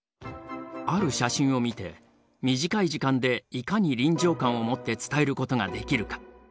ある写真を見て短い時間でいかに臨場感を持って伝えることができるか？